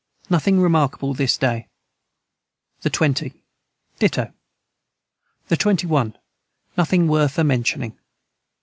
Nothing remarkable this day. the 20. Dito. the 21. Nothing worth a mentioning.